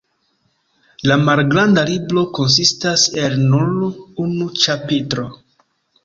La malgranda libro konsistas el nur unu ĉapitro.